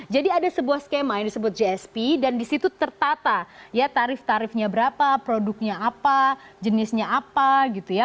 jadi ada sebuah skema yang disebut gsp dan disitu tertata tarif tarifnya berapa produknya apa jenisnya apa gitu ya